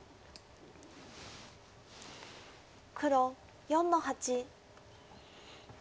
黒４の八。